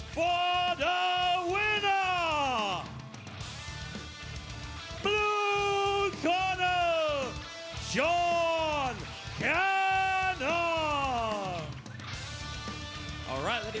เพื่อผู้ต้องการที่สุด